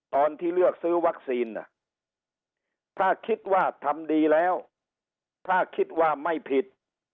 ตอนที่เลือกซื้อวัคซีนถ้าคิดว่าทำดีแล้วถ้าคิดว่าไม่ผิด